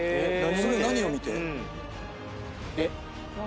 それ何を見て？